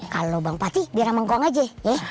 kalau bang pati biar sama kong aja ya